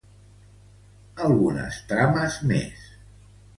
Algunes trames més.